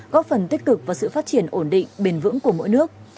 góp phần tích cực vào sự phát triển ổn định bền vững của mỗi nước